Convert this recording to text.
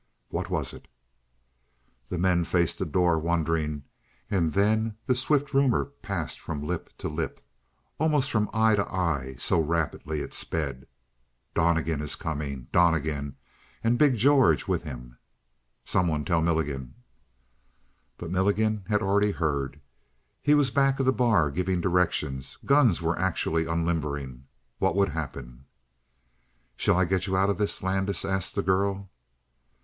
What was it? The men faced the door, wondering, and then the swift rumor passed from lip to lip almost from eye to eye, so rapidly it sped Donnegan is coming! Donnegan, and big George with him. "Someone tell Milligan!" But Milligan had already heard; he was back of the bar giving directions; guns were actually unlimbering. What would happen? "Shall I get you out of this?" Landis asked the girl.